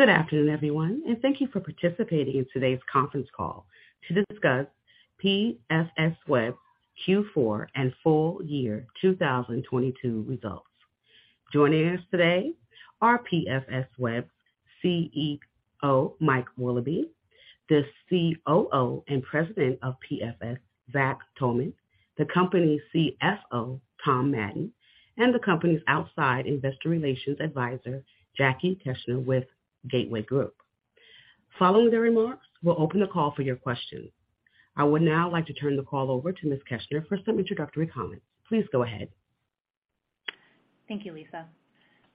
Good afternoon, everyone, thank you for participating in today's conference call to discuss PFSweb Q4 and Full Year 2022 Results. Joining us today are PFSweb's CEO, Mike Willoughby, the COO and President of PFS, Zach Thomann, the company's CFO, Tom Madden, and the company's outside investor relations advisor, Jackie Keshner with Gateway Group. Following the remarks, we'll open the call for your questions. I would now like to turn the call over to Ms. Keshner for some introductory comments. Please go ahead. Thank you, Lisa.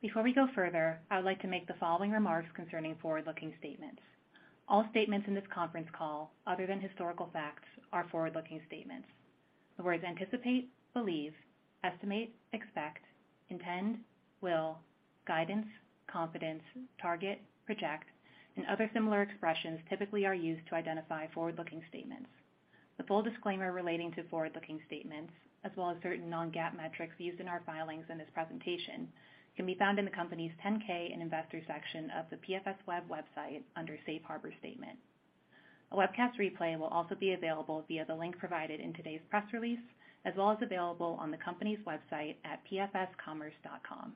Before we go further, I would like to make the following remarks concerning forward-looking statements. All statements in this conference call other than historical facts are forward-looking statements. The words anticipate, believe, estimate, expect, intend, will, guidance, confidence, target, project, and other similar expressions, typically are used to identify forward-looking statements. The full disclaimer relating to forward-looking statements as well as certain non-GAAP metrics used in our filings in this presentation can be found in the company's 10-K in investor section of the PFSweb website under Safe Harbor Statement. A webcast replay will also be available via the link provided in today's press release, as well as available on the company's website at pfscommerce.com.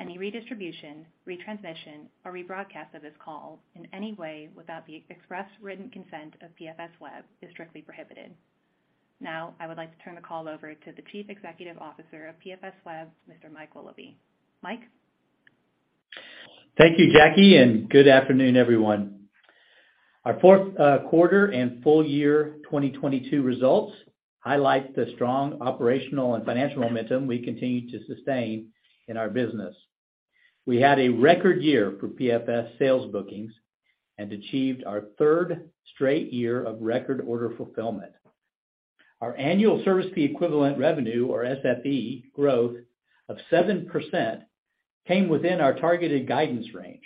Any redistribution, retransmission, or rebroadcast of this call in any way without the express written consent of PFSweb is strictly prohibited. I would like to turn the call over to the Chief Executive Officer of PFSweb, Mr. Mike Willoughby. Mike? Thank you, Jackie, and good afternoon, everyone. Our Fourth Quarter and Full Year 2022 Results highlight the strong operational and financial momentum we continue to sustain in our business. We had a record year for PFS sales bookings and achieved our third straight year of record order fulfillment. Our annual service fee equivalent revenue or SFE growth of 7% came within our targeted guidance range.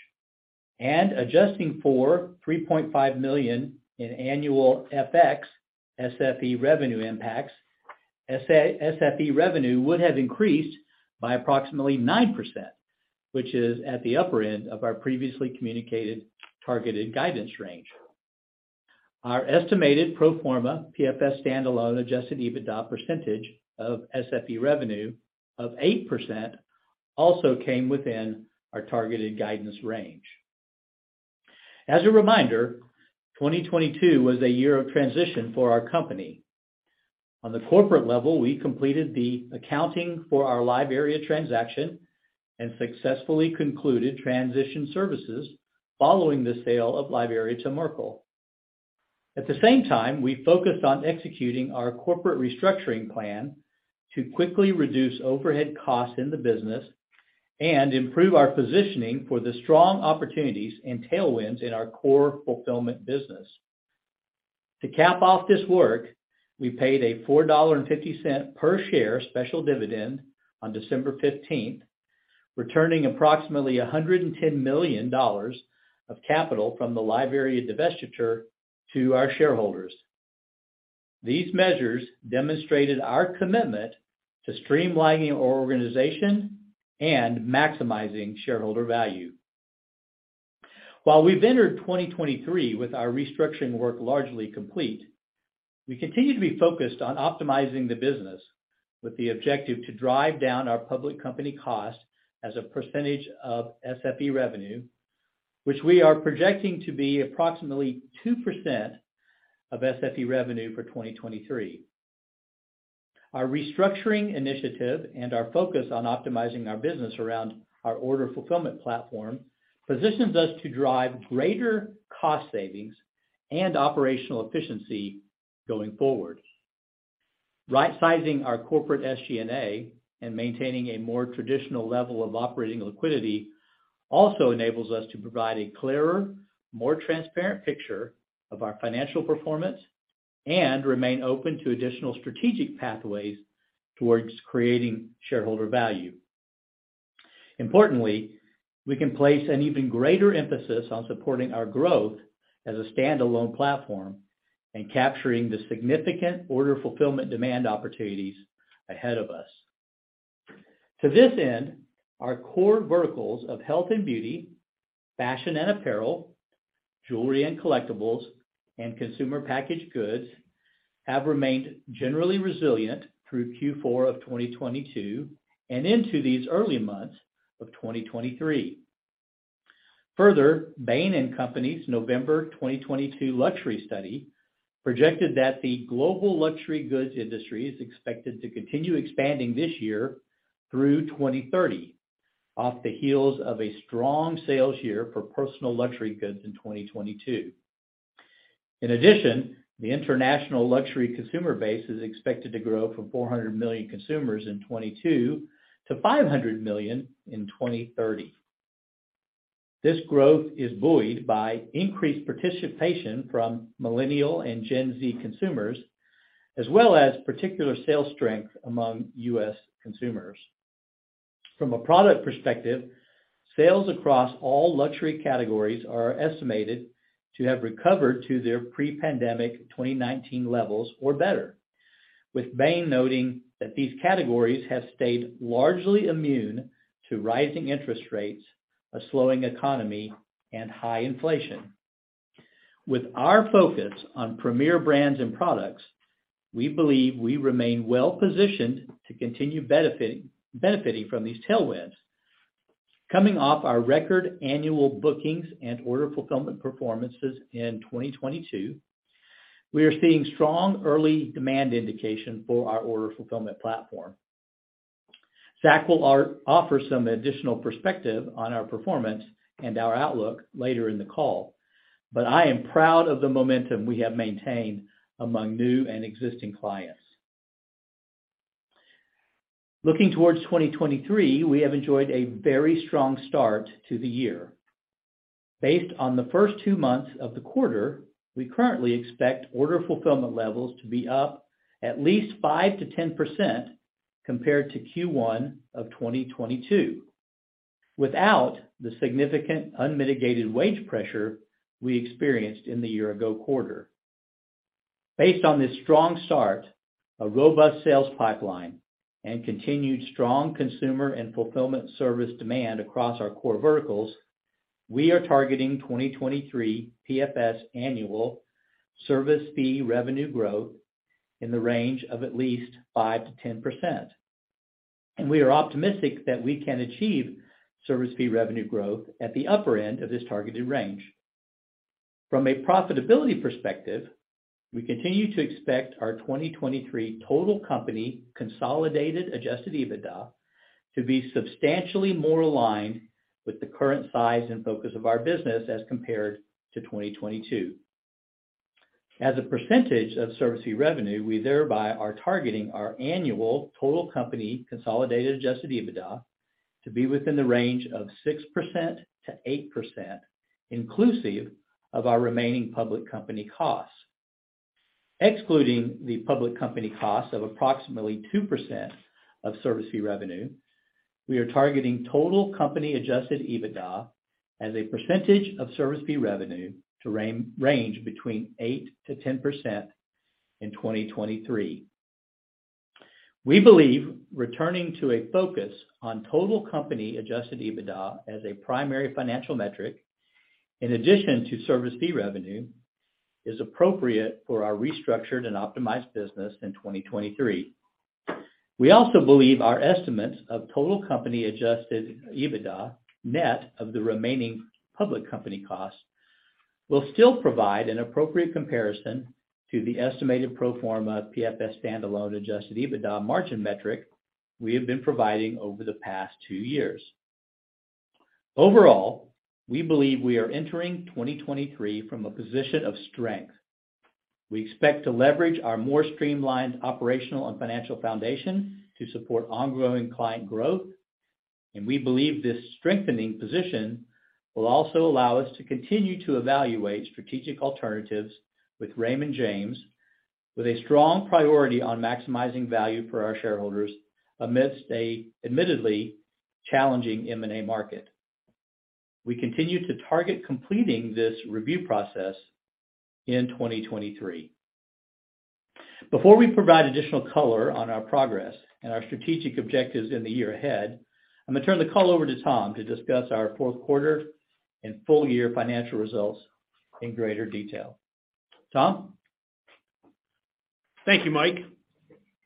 Adjusting for $3.5 million in annual FX SFE revenue impacts, SFE revenue would have increased by approximately 9%, which is at the upper end of our previously communicated targeted guidance range. Our estimated pro forma PFS standalone Adjusted EBITDA percentage of SFE revenue of 8% also came within our targeted guidance range. As a reminder, 2022 was a year of transition for our company. On the corporate level, we completed the accounting for our LiveArea transaction and successfully concluded transition services following the sale of LiveArea to Merkle. At the same time, we focused on executing our corporate restructuring plan to quickly reduce overhead costs in the business and improve our positioning for the strong opportunities and tailwinds in our core fulfillment business. To cap off this work, we paid a $4.50 per share special dividend on December 15th, returning approximately $110 million of capital from the LiveArea divestiture to our shareholders. These measures demonstrated our commitment to streamlining our organization and maximizing shareholder value. We've entered 2023 with our restructuring work largely complete, we continue to be focused on optimizing the business with the objective to drive down our public company cost as a percentage of SFE revenue, which we are projecting to be approximately 2% of SFE revenue for 2023. Our restructuring initiative and our focus on optimizing our business around our order fulfillment platform positions us to drive greater cost savings and operational efficiency going forward. Right-sizing our corporate SG&A and maintaining a more traditional level of operating liquidity also enables us to provide a clearer, more transparent picture of our financial performance and remain open to additional strategic pathways towards creating shareholder value. Importantly, we can place an even greater emphasis on supporting our growth as a standalone platform and capturing the significant order fulfillment demand opportunities ahead of us. To this end, our core verticals of health and beauty, fashion and apparel, jewelry and collectibles, and consumer packaged goods have remained generally resilient through Q4 of 2022 and into these early months of 2023. Further, Bain & Company's November 2022 luxury study projected that the global luxury goods industry is expected to continue expanding this year through 2030 off the heels of a strong sales year for personal luxury goods in 2022. In addition, the international luxury consumer base is expected to grow from 400 million consumers in 2022 to 500 million in 2030. This growth is buoyed by increased participation from millennial and Gen Z consumers, as well as particular sales strength among U.S. consumers. From a product perspective, sales across all luxury categories are estimated to have recovered to their pre-pandemic 2019 levels or better. With Bain noting that these categories have stayed largely immune to rising interest rates, a slowing economy, and high inflation. With our focus on premier brands and products, we believe we remain well-positioned to continue benefiting from these tailwinds. Coming off our record annual bookings and order fulfillment performances in 2022, we are seeing strong early demand indication for our order fulfillment platform. Zach will offer some additional perspective on our performance and our outlook later in the call, but I am proud of the momentum we have maintained among new and existing clients. Looking towards 2023, we have enjoyed a very strong start to the year. Based on the first two months of the quarter, we currently expect order fulfillment levels to be up at least 5%-10% compared to Q1 of 2022, without the significant unmitigated wage pressure we experienced in the year ago quarter. Based on this strong start, a robust sales pipeline, and continued strong consumer and fulfillment service demand across our core verticals, we are targeting 2023 PFS annual service fee revenue growth in the range of at least 5%-10%. We are optimistic that we can achieve service fee revenue growth at the upper end of this targeted range. From a profitability perspective, we continue to expect our 2023 total company consolidated Adjusted EBITDA to be substantially more aligned with the current size and focus of our business as compared to 2022. As a percentage of service fee revenue, we thereby are targeting our annual total company consolidated Adjusted EBITDA to be within the range of 6%-8% inclusive of our remaining public company costs. Excluding the public company costs of approximately 2% of service fee revenue, we are targeting total company Adjusted EBITDA as a percentage of service fee revenue to range between 8%-10% in 2023. We believe returning to a focus on total company Adjusted EBITDA as a primary financial metric, in addition to service fee revenue, is appropriate for our restructured and optimized business in 2023. We also believe our estimates of total company Adjusted EBITDA net of the remaining public company costs will still provide an appropriate comparison to the estimated pro forma PFS standalone Adjusted EBITDA margin metric we have been providing over the past two years. Overall, we believe we are entering 2023 from a position of strength. We expect to leverage our more streamlined operational and financial foundation to support ongoing client growth. We believe this strengthening position will also allow us to continue to evaluate strategic alternatives with Raymond James with a strong priority on maximizing value for our shareholders amidst an admittedly challenging M&A market. We continue to target completing this review process in 2023. Before we provide additional color on our progress and our strategic objectives in the year ahead, I'm gonna turn the call over to Tom to discuss our fourth quarter and full year financial results in greater detail. Tom. Thank you, Mike.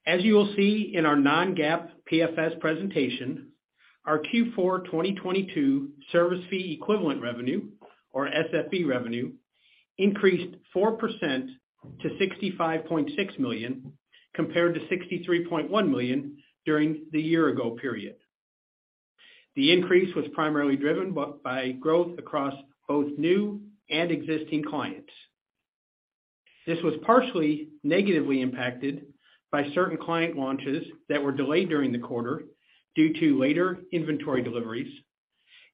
As you will see in our non-GAAP PFS presentation, our Q4 2022 service fee equivalent revenue or SFE revenue increased 4% to $65.6 million, compared to $63.1 million during the year ago period. The increase was primarily driven by growth across both new and existing clients. This was partially negatively impacted by certain client launches that were delayed during the quarter due to later inventory deliveries,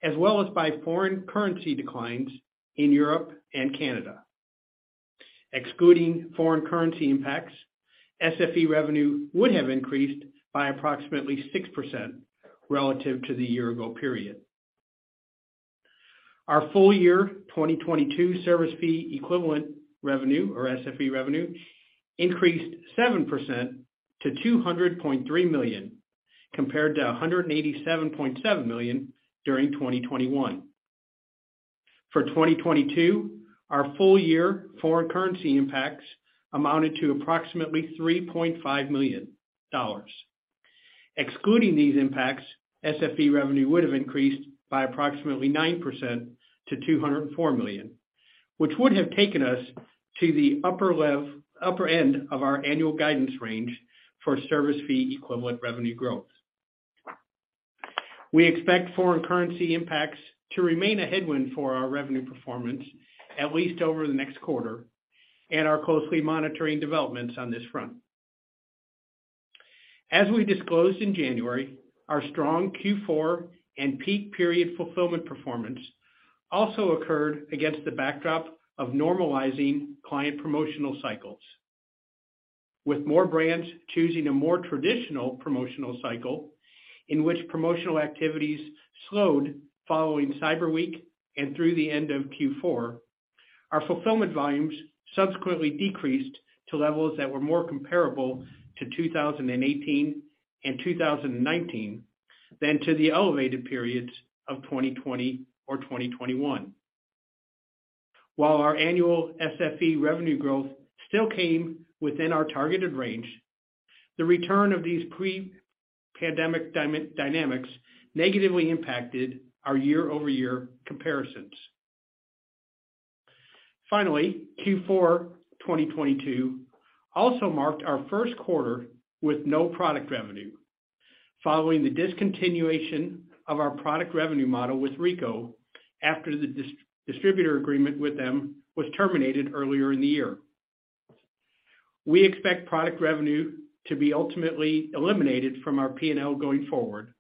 as well as by foreign currency declines in Europe and Canada. Excluding foreign currency impacts, SFE revenue would have increased by approximately 6% relative to the year ago period. Our full year 2022 service fee equivalent revenue, or SFE revenue, increased 7% to $200.3 million, compared to $187.7 million during 2021. For 2022, our full year foreign currency impacts amounted to approximately $3.5 million. Excluding these impacts, SFE revenue would have increased by approximately 9% to $204 million, which would have taken us to the upper end of our annual guidance range for service fee equivalent revenue growth. We expect foreign currency impacts to remain a headwind for our revenue performance at least over the next quarter, and are closely monitoring developments on this front. As we disclosed in January, our strong Q4 and peak period fulfillment performance also occurred against the backdrop of normalizing client promotional cycles. With more brands choosing a more traditional promotional cycle, in which promotional activities slowed following Cyber Week and through the end of Q4, our fulfillment volumes subsequently decreased to levels that were more comparable to 2018 and 2019 than to the elevated periods of 2020 or 2021. While our annual SFE revenue growth still came within our targeted range, the return of these pre-pandemic dynamics negatively impacted our year-over-year comparisons. Finally, Q4 2022 also marked our first quarter with no product revenue following the discontinuation of our product revenue model with Ricoh after the distributor agreement with them was terminated earlier in the year. We expect product revenue to be ultimately eliminated from our P&L going forward,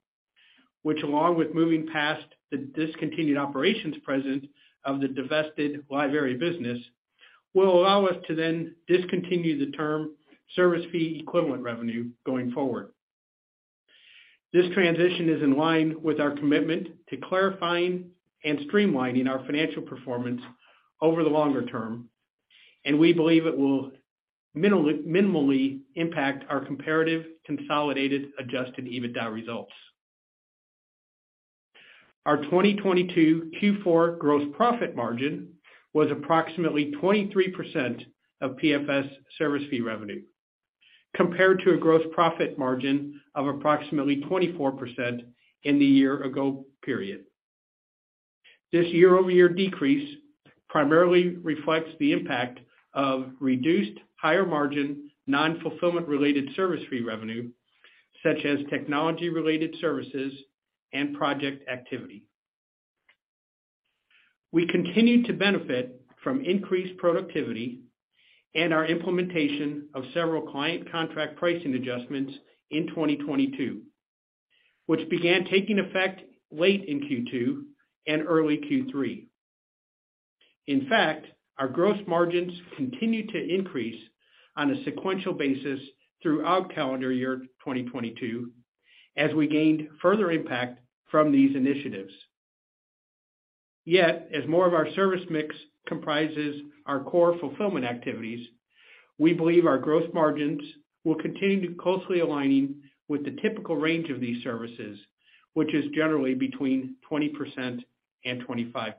which along with moving past the discontinued operations presence of the divested LiveArea business, will allow us to then discontinue the term service fee equivalent revenue going forward. This transition is in line with our commitment to clarifying and streamlining our financial performance over the longer term, and we believe it will minimally impact our comparative consolidated Adjusted EBITDA results. Our 2022 Q4 gross profit margin was approximately 23% of PFS service fee revenue, compared to a gross profit margin of approximately 24% in the year-ago period. This year-over-year decrease primarily reflects the impact of reduced higher margin non-fulfillment related service fee revenue such as technology related services and project activity. We continued to benefit from increased productivity and our implementation of several client contract pricing adjustments in 2022, which began taking effect late in Q2 and early Q3. In fact, our gross margins continued to increase on a sequential basis throughout calendar year 2022 as we gained further impact from these initiatives. As more of our service mix comprises our core fulfillment activities, we believe our gross margins will continue to closely aligning with the typical range of these services, which is generally between 20% and 25%.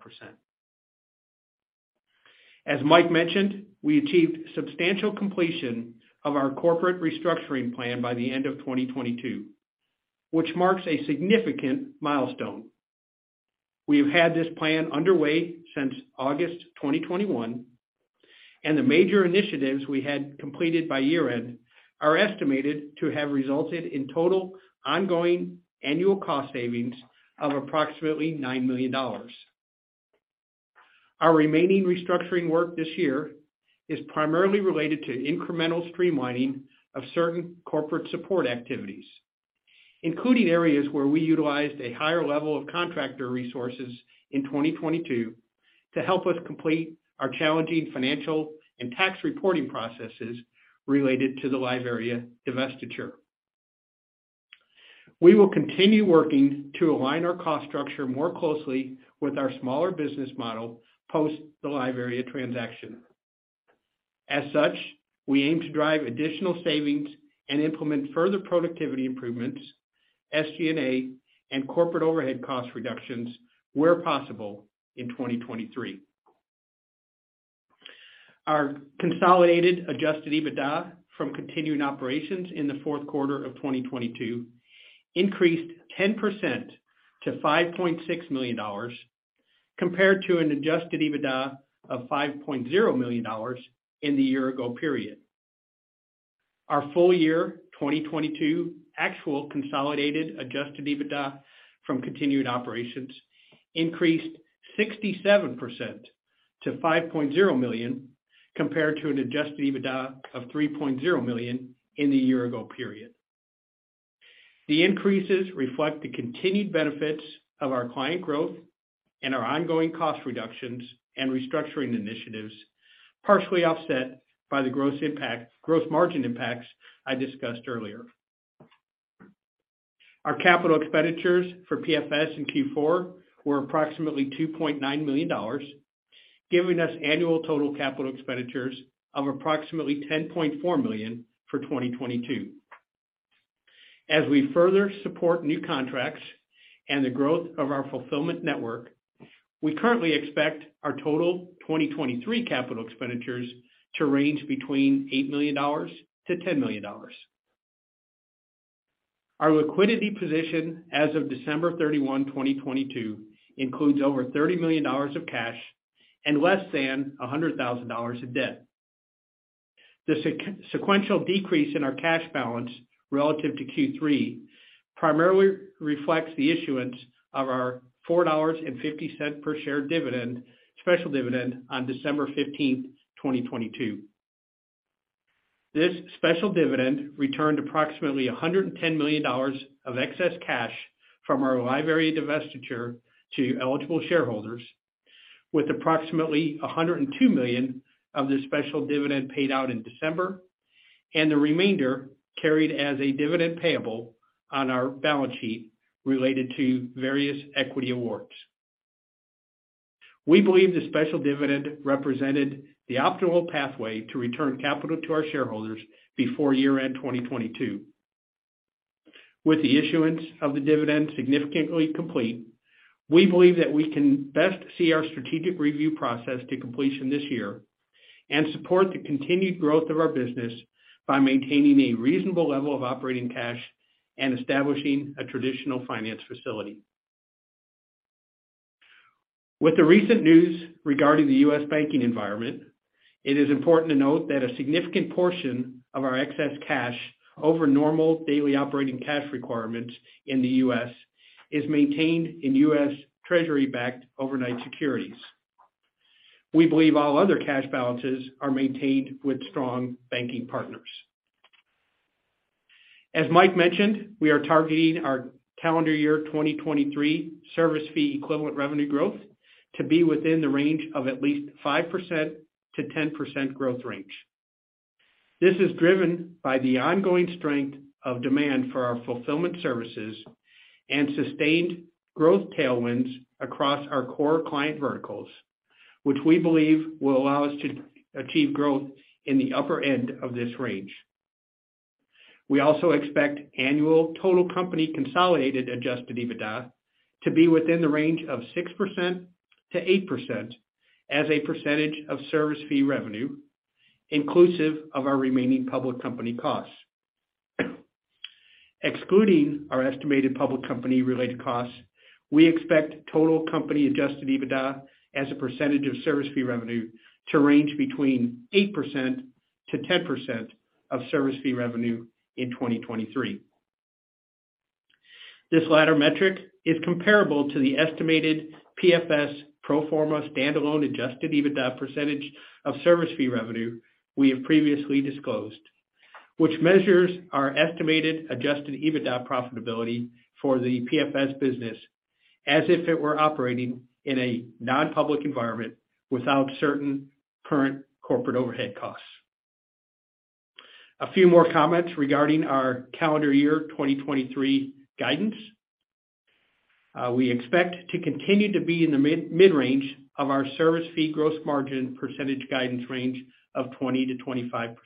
As Mike mentioned, we achieved substantial completion of our corporate restructuring plan by the end of 2022, which marks a significant milestone. We have had this plan underway since August 2021, and the major initiatives we had completed by year-end are estimated to have resulted in total ongoing annual cost savings of approximately $9 million. Our remaining restructuring work this year is primarily related to incremental streamlining of certain corporate support activities, including areas where we utilized a higher level of contractor resources in 2022 to help us complete our challenging financial and tax reporting processes related to the LiveArea divestiture. We will continue working to align our cost structure more closely with our smaller business model post the LiveArea transaction. As such, we aim to drive additional savings and implement further productivity improvements, SG&A, and corporate overhead cost reductions where possible in 2023. Our consolidated Adjusted EBITDA from continuing operations in the fourth quarter of 2022 increased 10% to $5.6 million compared to an Adjusted EBITDA of $5.0 million in the year ago period. Our full year 2022 actual consolidated Adjusted EBITDA from continued operations increased 67% to $5.0 million compared to an Adjusted EBITDA of $3.0 million in the year-ago period. The increases reflect the continued benefits of our client growth and our ongoing cost reductions and restructuring initiatives, partially offset by the gross margin impacts I discussed earlier. Our capital expenditures for PFS in Q4 were approximately $2.9 million, giving us annual total capital expenditures of approximately $10.4 million for 2022. As we further support new contracts and the growth of our fulfillment network, we currently expect our total 2023 capital expenditures to range between $8 million-$10 million. Our liquidity position as of December 31, 2022, includes over $30 million of cash and less than $100,000 of debt. The sequential decrease in our cash balance relative to Q3 primarily reflects the issuance of our $4.50 per share special dividend on December 15, 2022. This special dividend returned approximately $110 million of excess cash from our LiveArea divestiture to eligible shareholders. With approximately $102 million of the special dividend paid out in December, and the remainder carried as a dividend payable on our balance sheet related to various equity awards. We believe the special dividend represented the optimal pathway to return capital to our shareholders before year-end 2022. With the issuance of the dividend significantly complete, we believe that we can best see our strategic review process to completion this year and support the continued growth of our business by maintaining a reasonable level of operating cash and establishing a traditional finance facility. With the recent news regarding the U.S. banking environment, it is important to note that a significant portion of our excess cash over normal daily operating cash requirements in the U.S. is maintained in U.S. Treasury-backed overnight securities. We believe all other cash balances are maintained with strong banking partners. As Mike mentioned, we are targeting our calendar year 2023 service fee equivalent revenue growth to be within the range of at least 5%-10% growth range. This is driven by the ongoing strength of demand for our fulfillment services and sustained growth tailwinds across our core client verticals, which we believe will allow us to achieve growth in the upper end of this range. We also expect annual total company consolidated Adjusted EBITDA to be within the range of 6%-8% as a percentage of service fee revenue, inclusive of our remaining public company costs. Excluding our estimated public company related costs, we expect total company Adjusted EBITDA as a percentage of service fee revenue to range between 8%-10% of service fee revenue in 2023. This latter metric is comparable to the estimated PFS pro forma standalone Adjusted EBITDA percentage of service fee revenue we have previously disclosed, which measures our estimated Adjusted EBITDA profitability for the PFS business as if it were operating in a non-public environment without certain current corporate overhead costs. A few more comments regarding our calendar year 2023 guidance. We expect to continue to be in the mid-range of our service fee gross margin percentage guidance range of 20%-25%.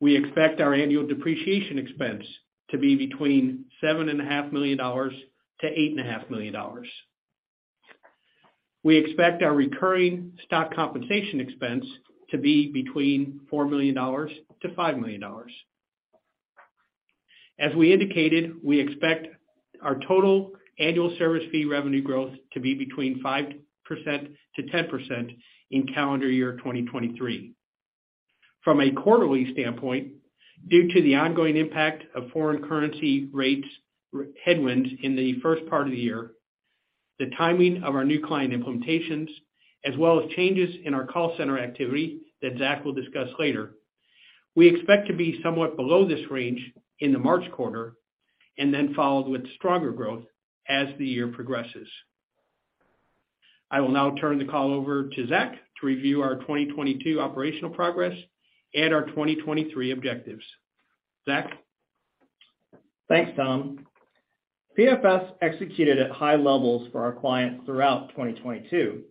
We expect our annual depreciation expense to be between $7.5 million-$8.5 million. We expect our recurring stock compensation expense to be between $4 million-$5 million. As we indicated, we expect our total annual service fee revenue growth to be between 5%-10% in calendar year 2023. From a quarterly standpoint, due to the ongoing impact of foreign currency rates headwinds in the first part of the year, the timing of our new client implementations, as well as changes in our call center activity that Zach will discuss later, we expect to be somewhat below this range in the March quarter and then followed with stronger growth as the year progresses. I will now turn the call over to Zach to review our 2022 operational progress and our 2023 objectives. Zach? Thanks, Tom. PFS executed at high levels for our clients throughout 2022,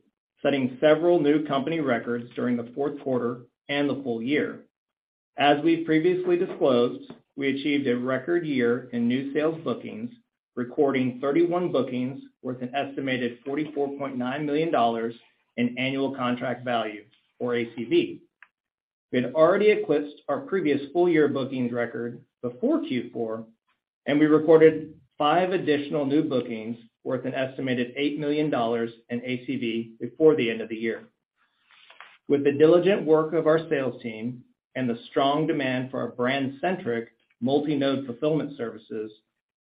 setting several new company records during the fourth quarter and the full year. As we previously disclosed, we achieved a record year in new sales bookings, recording 31 bookings worth an estimated $44.9 million in annual contract value or ACV. We had already eclipsed our previous full-year bookings record before Q4. We recorded five additional new bookings worth an estimated $8 million in ACV before the end of the year. With the diligent work of our sales team and the strong demand for our brand-centric multi-node fulfillment services,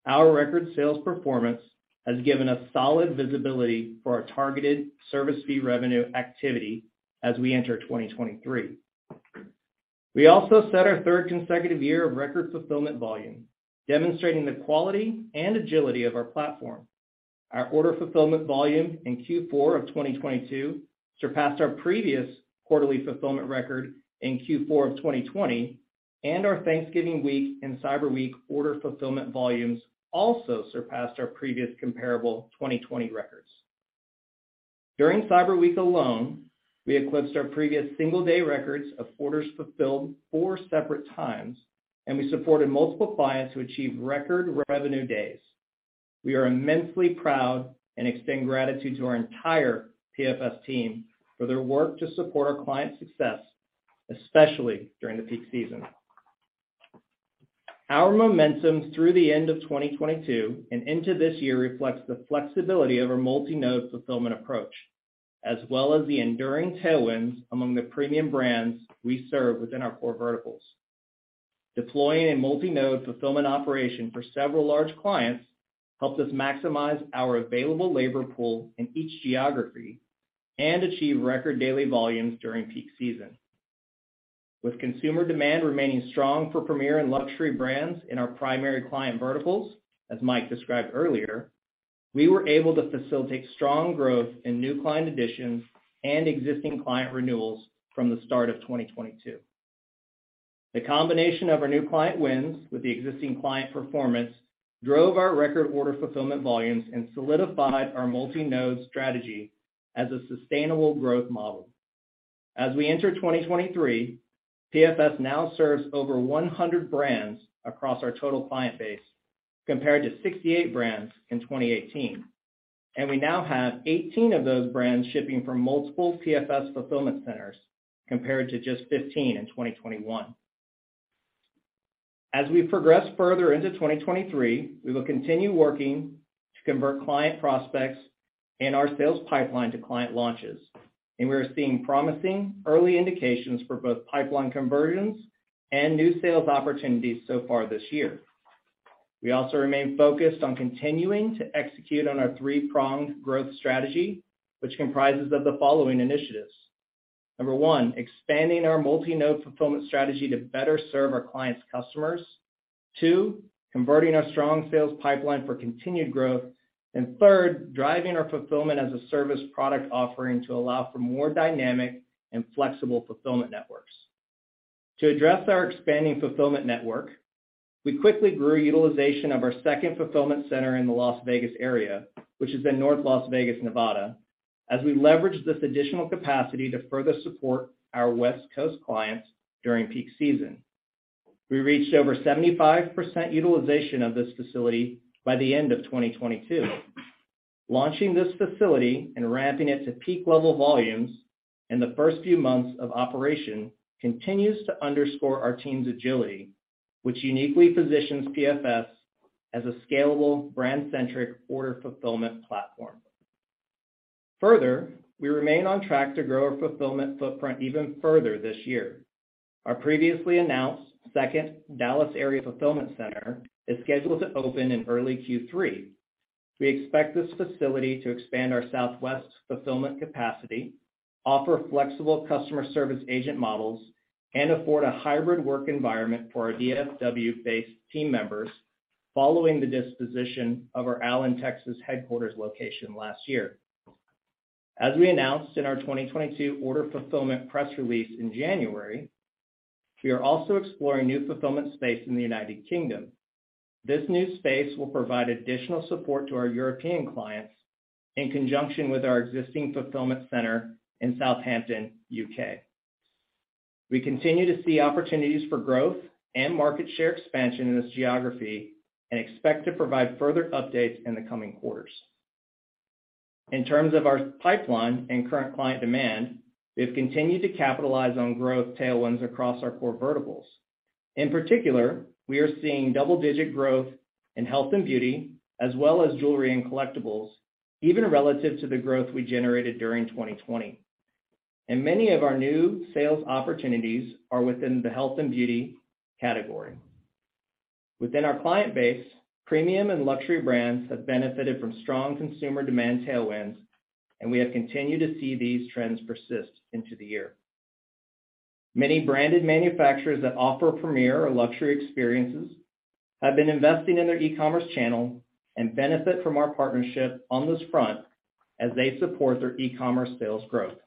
our record sales performance has given us solid visibility for our targeted service fee revenue activity as we enter 2023. We also set our third consecutive year of record fulfillment volume, demonstrating the quality and agility of our platform. Our order fulfillment volume in Q4 of 2022 surpassed our previous quarterly fulfillment record in Q4 of 2020, and our Thanksgiving week and Cyber Week order fulfillment volumes also surpassed our previous comparable 2020 records. During Cyber Week alone, we eclipsed our previous single-day records of orders fulfilled four separate times, and we supported multiple clients who achieved record revenue days. We are immensely proud and extend gratitude to our entire PFS team for their work to support our clients' success, especially during the peak season. Our momentum through the end of 2022 and into this year reflects the flexibility of our multi-node fulfillment approach, as well as the enduring tailwinds among the premium brands we serve within our core verticals. Deploying a multi-node fulfillment operation for several large clients helped us maximize our available labor pool in each geography and achieve record daily volumes during peak season. With consumer demand remaining strong for premier and luxury brands in our primary client verticals, as Mike described earlier, we were able to facilitate strong growth in new client additions and existing client renewals from the start of 2022. The combination of our new client wins with the existing client performance drove our record order fulfillment volumes and solidified our multi-node strategy as a sustainable growth model. As we enter 2023, PFS now serves over 100 brands across our total client base compared to 68 brands in 2018. We now have 18 of those brands shipping from multiple PFS fulfillment centers compared to just 15 in 2021. As we progress further into 2023, we will continue working to convert client prospects in our sales pipeline to client launches, and we are seeing promising early indications for both pipeline conversions and new sales opportunities so far this year. We also remain focused on continuing to execute on our three-pronged growth strategy, which comprises of the following initiatives. One, expanding our multi-node fulfillment strategy to better serve our clients' customers. Two, converting our strong sales pipeline for continued growth. Three, driving our Fulfillment-as-a-Service product offering to allow for more dynamic and flexible fulfillment networks. To address our expanding fulfillment network, we quickly grew utilization of our second fulfillment center in the Las Vegas area, which is in North Las Vegas, Nevada, as we leveraged this additional capacity to further support our West Coast clients during peak season. We reached over 75% utilization of this facility by the end of 2022. Launching this facility and ramping it to peak level volumes in the first few months of operation continues to underscore our team's agility, which uniquely positions PFS as a scalable, brand-centric order fulfillment platform. We remain on track to grow our fulfillment footprint even further this year. Our previously announced second Dallas area fulfillment center is scheduled to open in early Q3. We expect this facility to expand our Southwest fulfillment capacity, offer flexible customer service agent models, and afford a hybrid work environment for our DFW-based team members following the disposition of our Allen, Texas headquarters location last year. As we announced in our 2022 order fulfillment press release in January, we are also exploring new fulfillment space in the United Kingdom. This new space will provide additional support to our European clients in conjunction with our existing fulfillment center in Southampton, U.K. We continue to see opportunities for growth and market share expansion in this geography and expect to provide further updates in the coming quarters. In terms of our pipeline and current client demand, we have continued to capitalize on growth tailwinds across our core verticals. In particular, we are seeing double-digit growth in health and beauty, as well as jewelry and collectibles, even relative to the growth we generated during 2020. Many of our new sales opportunities are within the health and beauty category. Within our client base, premium and luxury brands have benefited from strong consumer demand tailwinds, and we have continued to see these trends persist into the year. Many branded manufacturers that offer premier or luxury experiences have been investing in their e-commerce channel and benefit from our partnership on this front as they support their e-commerce sales growth.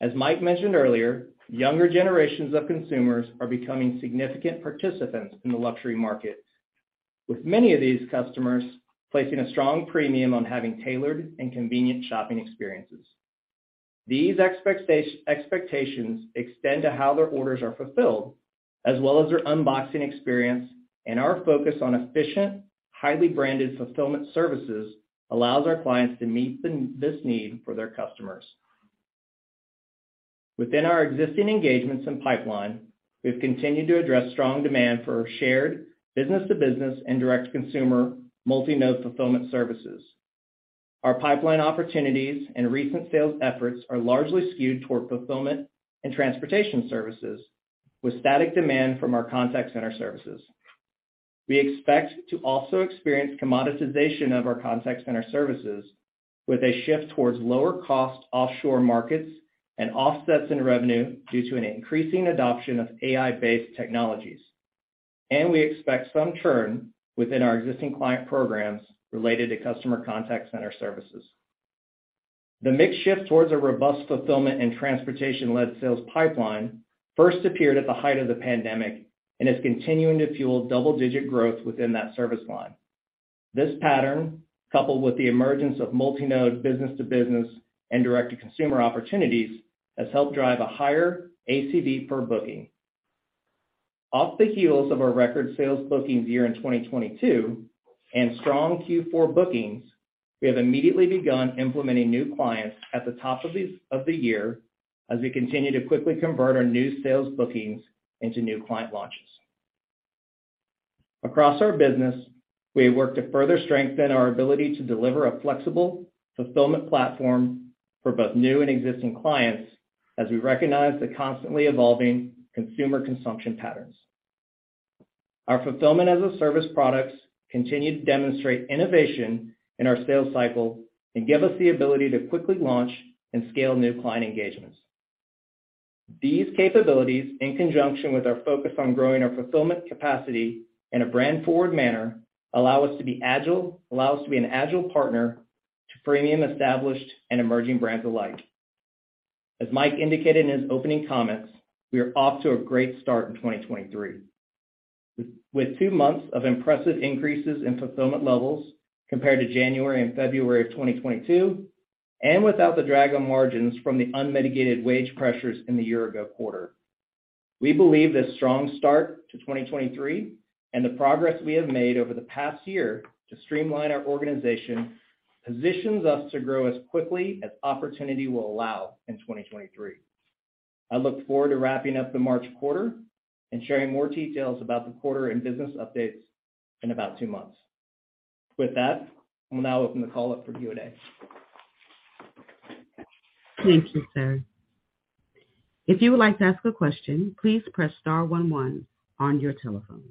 As Mike mentioned earlier, younger generations of consumers are becoming significant participants in the luxury market, with many of these customers placing a strong premium on having tailored and convenient shopping experiences. These expectations extend to how their orders are fulfilled, as well as their unboxing experience, and our focus on efficient, highly branded fulfillment services allows our clients to meet this need for their customers. Within our existing engagements and pipeline, we've continued to address strong demand for our shared business-to-business and direct-to-consumer multi-node fulfillment services. Our pipeline opportunities and recent sales efforts are largely skewed toward fulfillment and transportation services, with static demand from our contact center services. We expect to also experience commoditization of our contact center services with a shift towards lower cost offshore markets and offsets in revenue due to an increasing adoption of AI-based technologies. We expect some churn within our existing client programs related to customer contact center services. The mix shift towards a robust fulfillment and transportation-led sales pipeline first appeared at the height of the pandemic and is continuing to fuel double-digit growth within that service line. This pattern, coupled with the emergence of multi-node business-to-business and direct-to-consumer opportunities, has helped drive a higher ACV per booking. Off the heels of our record sales bookings year in 2022 and strong Q4 bookings, we have immediately begun implementing new clients at the top of the year as we continue to quickly convert our new sales bookings into new client launches. Across our business, we have worked to further strengthen our ability to deliver a flexible fulfillment platform for both new and existing clients as we recognize the constantly evolving consumer consumption patterns. Our Fulfillment-as-a-Service products continue to demonstrate innovation in our sales cycle and give us the ability to quickly launch and scale new client engagements. These capabilities, in conjunction with our focus on growing our fulfillment capacity in a brand-forward manner, allow us to be an agile partner to premium established and emerging brands alike. As Mike indicated in his opening comments, we are off to a great start in 2023. With two months of impressive increases in fulfillment levels compared to January and February of 2022, and without the drag on margins from the unmitigated wage pressures in the year ago quarter. We believe this strong start to 2023 and the progress we have made over the past year to streamline our organization positions us to grow as quickly as opportunity will allow in 2023. I look forward to wrapping up the March quarter and sharing more details about the quarter and business updates in about two months. With that, I will now open the call up for Q&A. Thank you, sir. If you would like to ask a question, please press star one one on your telephone.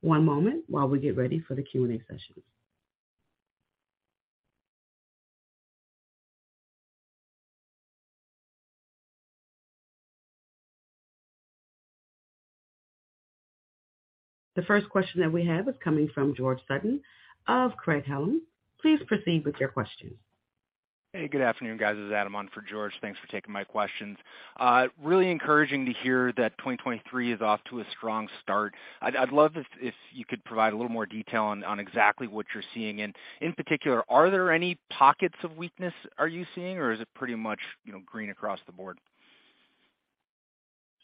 One moment while we get ready for the Q&A session. The first question that we have is coming from George Sutton of Craig-Hallum. Please proceed with your question. Hey, good afternoon, guys. This is Adam on for George. Thanks for taking my questions. Really encouraging to hear that 2023 is off to a strong start. I'd love if you could provide a little more detail on exactly what you're seeing. In particular, are there any pockets of weakness are you seeing or is it pretty much, you know, green across the board?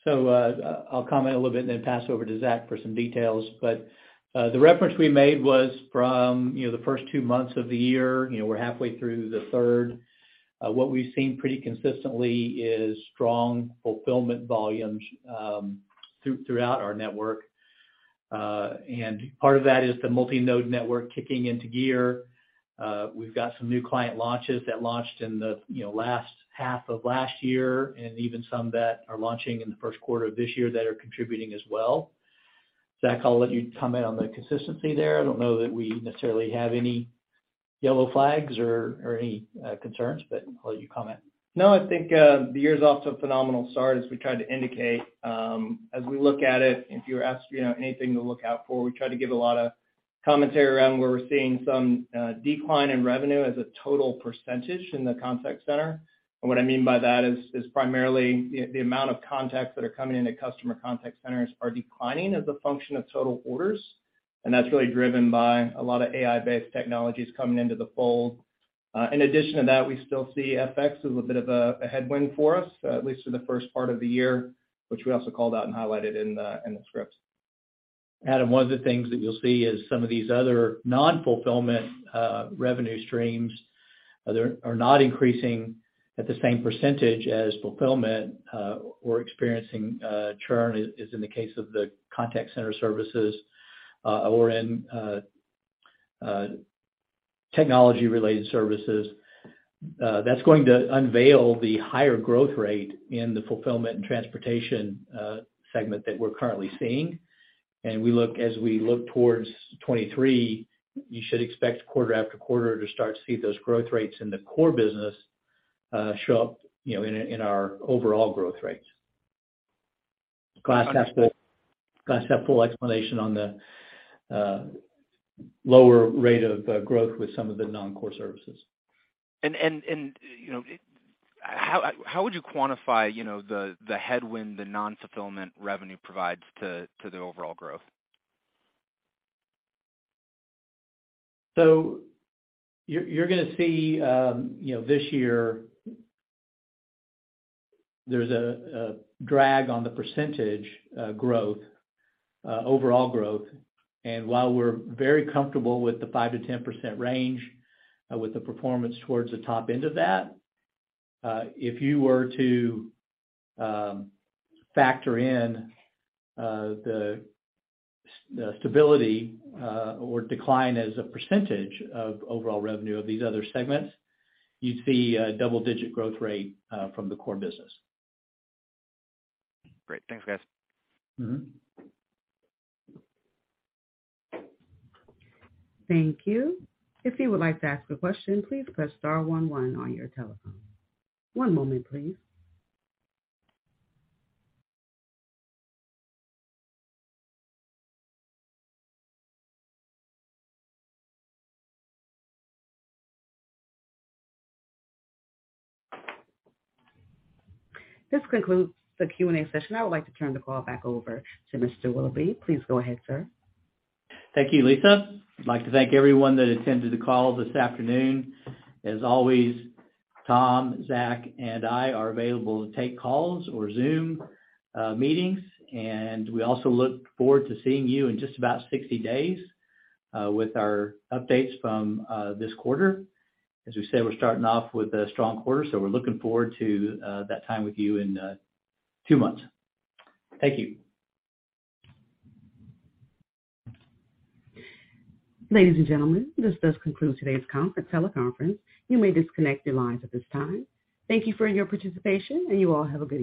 I'll comment a little bit and then pass over to Zach for some details. The reference we made was from, you know, the first two months of the year. You know, we're halfway through the third. What we've seen pretty consistently is strong fulfillment volumes throughout our network. Part of that is the multi-node network kicking into gear. We've got some new client launches that launched in the, you know, last half of last year and even some that are launching in the first quarter of this year that are contributing as well. Zach, I'll let you comment on the consistency there. I don't know that we necessarily have any yellow flags or any concerns, but I'll let you comment. I think the year is off to a phenomenal start as we tried to indicate. As we look at it, if you were asked, you know, anything to look out for, we tried to give a lot of commentary around where we're seeing some decline in revenue as a total percentage in the contact center. What I mean by that is primarily the amount of contacts that are coming into customer contact centers are declining as a function of total orders, and that's really driven by a lot of AI-based technologies coming into the fold. In addition to that, we still see FX as a bit of a headwind for us, at least for the first part of the year, which we also called out and highlighted in the script. Adam, one of the things that you'll see is some of these other non-fulfillment revenue streams are not increasing at the same percentage as fulfillment, or experiencing churn as in the case of the contact center services, or in technology-related services. That's going to unveil the higher growth rate in the fulfillment and transportation segment that we're currently seeing. As we look towards 2023, you should expect quarter after quarter to start to see those growth rates in the core business show up, you know, in our overall growth rates. Glass half full explanation on the lower rate of growth with some of the non-core services. You know, how would you quantify, you know, the headwind the nonfulfillment revenue provides to the overall growth? You're gonna see, you know, this year there's a drag on the percentage growth overall growth. While we're very comfortable with the 5%-10% range with the performance towards the top end of that, if you were to factor in the stability or decline as a percentage of overall revenue of these other segments, you'd see a double-digit growth rate from the core business. Great. Thanks, guys. Mm-hmm. Thank you. If you would like to ask a question, please press star one one on your telephone. One moment, please. This concludes the Q&A session. I would like to turn the call back over to Mr. Willoughby. Please go ahead, sir. Thank you, Lisa. I'd like to thank everyone that attended the call this afternoon. As always, Tom, Zach, and I are available to take calls or Zoom meetings. We also look forward to seeing you in just about 60 days with our updates from this quarter. As we said, we're starting off with a strong quarter. We're looking forward to that time with you in two months. Thank you. Ladies and gentlemen, this does conclude today's teleconference. You may disconnect your lines at this time. Thank you for your participation. You all have a great week.